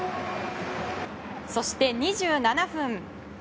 そして２７分。